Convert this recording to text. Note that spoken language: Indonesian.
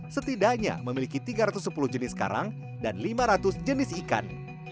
terdapat lebih dari tiga ratus sepuluh jenis karang dan lima ratus jenis ikan